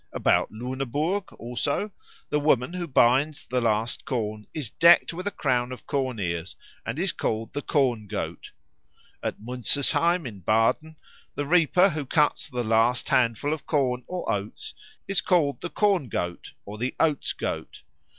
About Luneburg, also, the woman who binds the last corn is decked with a crown of corn ears and is called the Corn goat. At Münzesheim in Baden the reaper who cuts the last handful of corn or oats is called the Corn goat or the Oats goat.